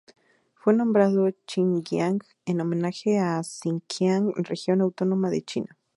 Fue nombrado Xinjiang en homenaje a Sinkiang región autónoma de China.